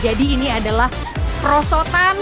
jadi ini adalah perosotan tertinggi